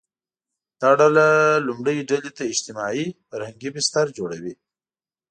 دا ډله لومړۍ ډلې ته اجتماعي – فرهنګي بستر جوړوي